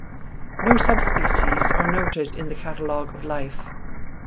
No subspecies are noted in the Catalogue of Life.